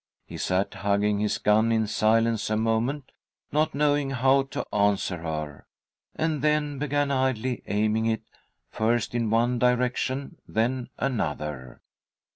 He sat hugging his gun in silence a moment, not knowing how to answer her, and then began idly aiming it first in one direction, then another.